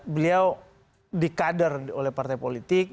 beliau di kader oleh partai politik